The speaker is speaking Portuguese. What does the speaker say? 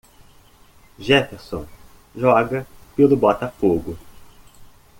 Jefferson joga pelo Botafogo.